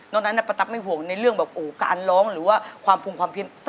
นอกนั้นประตับไม่ห่วงในเรื่องการร้องหรือว่าความภูมิความเพลง